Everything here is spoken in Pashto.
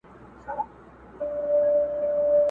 د ورځو په رڼا کي خو نصیب نه وو منلي،